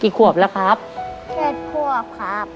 กี่ขวบแล้วครับสิบขวบครับ